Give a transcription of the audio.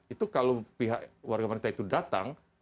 itu kalau pihak warga wanita itu datang